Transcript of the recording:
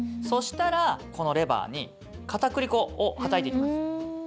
そしたらこのレバーにかたくり粉をはたいていきます。